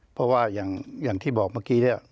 เพราะว่าอย่างที่บอกเมื่อกี้เนี่ย